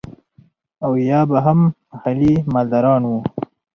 او يا به هم محلي مالداران وو.